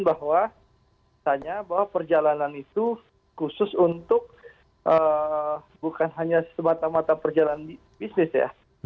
bahwa misalnya bahwa perjalanan itu khusus untuk bukan hanya semata mata perjalanan bisnis ya